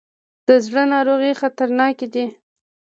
د زړه ناروغۍ خطرناکې دي.